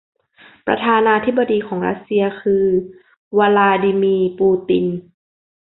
ประธานาธิบดีของรัสเซียคือ วลาดีมีร์ ปูติน